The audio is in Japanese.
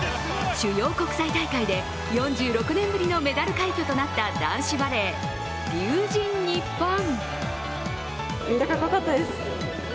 主要国際大会で４６年ぶりのメダル快挙となった男子バレー・龍神ＮＩＰＰＯＮ。